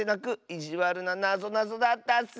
いじわるななぞなぞだったッス。